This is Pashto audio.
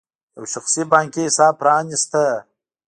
یو شخصي بانکي حساب پرانېسته.